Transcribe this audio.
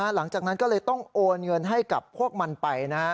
หลังจากนั้นก็เลยต้องโอนเงินให้กับพวกมันไปนะฮะ